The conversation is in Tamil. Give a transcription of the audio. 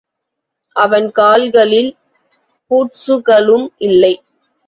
அவன் கால்களில் பூட்ஸுகளும் இல்லை.